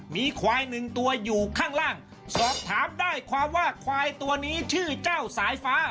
มีควายหนึ่งตัวอยู่ข้างล่างสอบถามได้ความว่าควายตัวนี้ชื่อเจ้าสายฟ้า